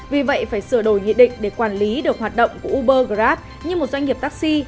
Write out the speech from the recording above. vì vậy phải sửa đổi nghị định để quản lý được hoạt động của uber grab như một doanh nghiệp taxi